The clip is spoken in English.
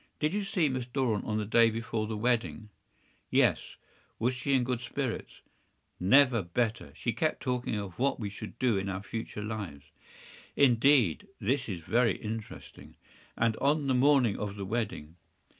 Did you see Miss Doran on the day before the wedding?” “Yes.” “Was she in good spirits?” “Never better. She kept talking of what we should do in our future lives.” “Indeed! That is very interesting. And on the morning of the wedding?